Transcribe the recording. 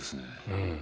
うん。